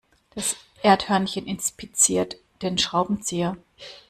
Das Erdhörnchen inspiziert den Schraubenzieher.